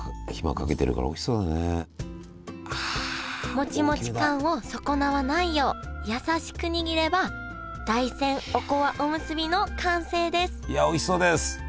モチモチ感を損なわないよう優しく握れば大山おこわおむすびの完成ですいやおいしそうです！